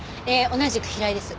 同じく平井です。